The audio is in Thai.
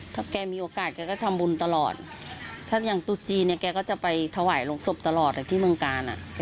ถ้าแกมีโอกาสแกก็ทำบุญตลอดถ้าอย่างตุ๊จีนเนี่ยแกก็จะไปถวายลงศพตลอดที่เมืองกาลอ่ะ